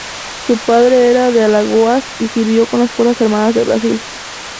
Su padre era de Alagoas y sirvió con las Fuerzas Armadas de Brasil.